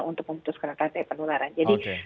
untuk memutuskan rantai penularan jadi